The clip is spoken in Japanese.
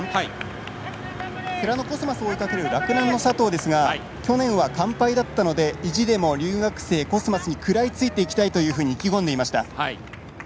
世羅のコスマスを追いかける洛南の佐藤ですが去年は完敗だったので意地でも留学生のコスマスに食らいついていきたいと意気込んでいました。